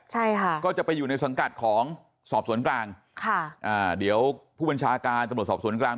ใช่ค่ะก็จะไปอยู่ในสังกัดของสอบสวนกลางค่ะอ่าเดี๋ยวผู้บัญชาการตำรวจสอบสวนกลาง